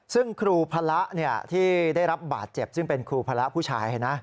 ซึ่งครูพระที่ได้รับบาดเจ็บซึ่งเป็นครูพระผู้ชาย